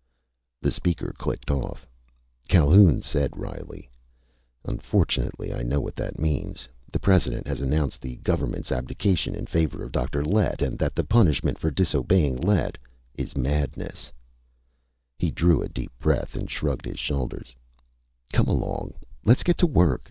_" The speaker clicked off. Calhoun said wryly: "Unfortunately, I know what that means. The President has announced the government's abdication in favor of Dr. Lett, and that the punishment for disobeying Lett is madness." He drew a deep breath and shrugged his shoulders. "Come along! Let's get to work!"